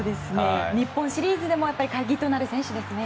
日本シリーズでも鍵となる選手ですね。